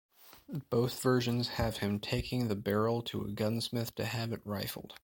Both versions have him taking the barrel to a gunsmith to have it rifled.